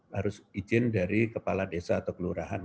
harus izin dari kepala desa atau kelurahan